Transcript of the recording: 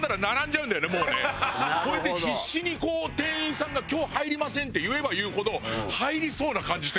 それで必死にこう店員さんが「今日入りません」って言えば言うほど入りそうな感じしてくるんだよね。